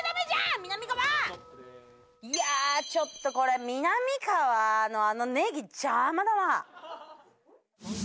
いやあちょっとこれみなみかわのあのネギ邪魔だな。